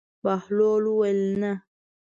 بهلول وویل: نه.